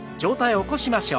起こしましょう。